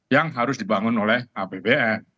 yang harus dibangun oleh apbn